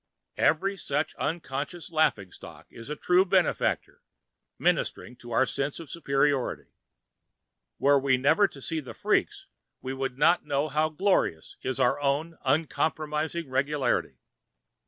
Every such unconscious laughing stock is a true benefactor, ministering to our sense of superiority. Were we never to see the freaks, we would not know how glorious is our own uncompromising regularity.